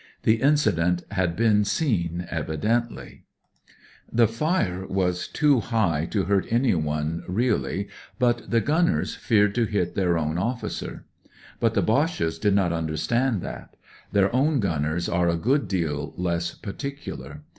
The incident had been seen, evidently. The fire t .■ i 30 high to hurt anyone, really, i » the gunners feared to hit their own officer. But the Boches did not understand that. Their own gunners are a good deal less particular.